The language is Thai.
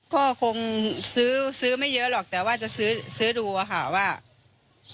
ก็คงซื้อซื้อไม่เยอะหรอกแต่ว่าจะซื้อดูอะค่ะว่า